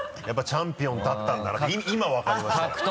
やっぱチャンピオンだったんだな今わかりました。